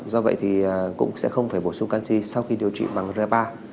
do vậy thì cũng sẽ không phải bổ sung canxi sau khi điều trị bằng grep a